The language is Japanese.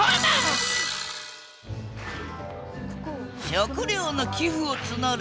食料の寄付を募る